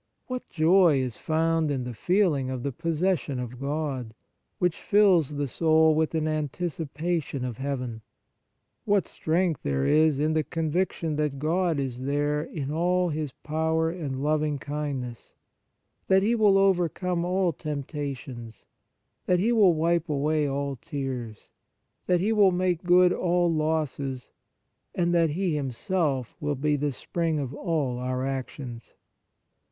What joy is found in the feeling of the possession of God, which fills the soul with an anticipation of heaven ! What strength there is in the conviction that God is there in all His power and loving kindness, that He will overcome all temptations, that He will wipe away all tears, that He will make good all losses, and that He Himself will be the spring of all our actions